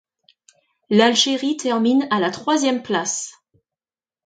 L'Algérie termine à la troisième place.